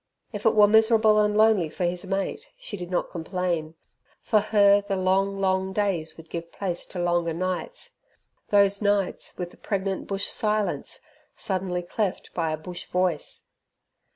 If it were miserable and lonely for his mate, she did not complain; for her the long, long days would give place to longer nights those nights with the pregnant bush silence suddenly cleft by a bush voice.